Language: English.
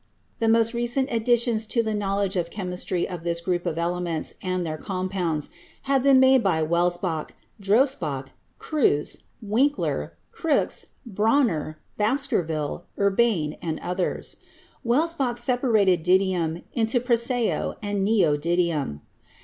The most recent additions to the knowledge of chemistry of this group of elements and their compounds have been made by Welsbach, Drossbach, Kriiss, Winkler, Crookes, Brauner, Baskerville, Urbain and others. Welsbach separated didymium into praseo and neodymium.